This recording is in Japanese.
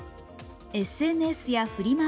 ＳＮＳやフリマ